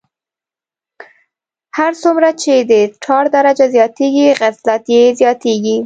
هر څومره چې د ټار درجه زیاتیږي غلظت یې زیاتیږي